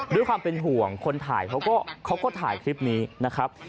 ด้วยความเป็นห่วงคนถ่ายเขาก็ถ่ายคลิปนี้นะครับ